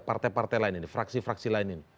partai partai lain ini fraksi fraksi lain ini